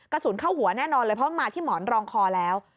กระสุนเข้าหัวแน่นอนเลยเพราะมาที่หมอนรองคอแล้ว